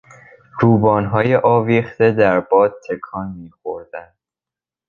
روبانهای آویخته در باد تکان میخوردند.